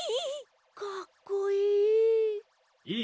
かっこいい。